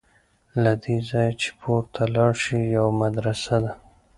له دې ځایه چې پورته لاړ شې یوه مدرسه ده.